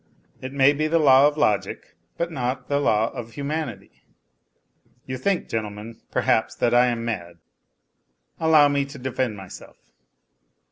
It may be the law of logic, but not the law of humanity. You think, gentlemen, perhaps that I am mad ? Allow me to defend myself.